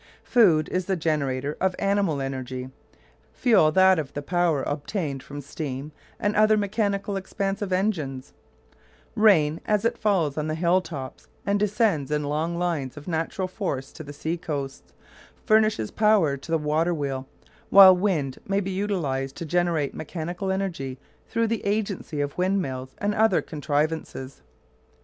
Food is the generator of animal energy, fuel that of the power obtained from steam and other mechanical expansive engines; rain, as it falls on the hill tops and descends in long lines of natural force to the sea coasts, furnishes power to the water wheel; while wind may be utilised to generate mechanical energy through the agency of windmills and other contrivances.